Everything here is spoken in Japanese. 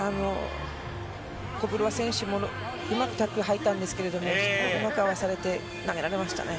コブロワ選手もうまくタックル入ったんですけれども、うまくかわされて投げられましたね。